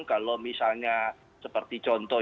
kalau misalnya seperti contoh